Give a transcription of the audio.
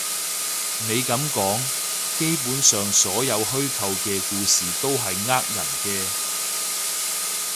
你噉講，基本上所有虛構嘅故事都係呃人嘅